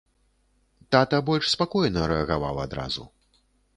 Тата больш спакойна рэагаваў адразу.